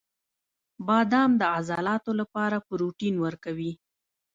• بادام د عضلاتو لپاره پروټین ورکوي.